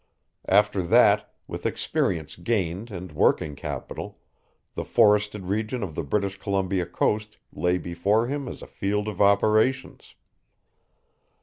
After that, with experience gained and working capital, the forested region of the British Columbia coast lay before him as a field of operations.